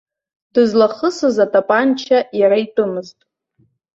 Дызлахысыз атапанча иара итәымызт.